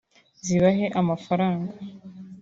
zibahe amafaranga